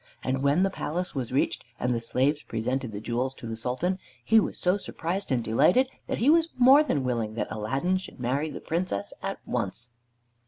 And when the palace was reached, and the slaves presented the jewels to the Sultan, he was so surprised and delighted that he was more than willing that Aladdin should marry the Princess at once.